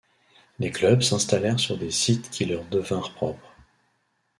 Les clubs s’installèrent sur des sites qui leur devinrent propres.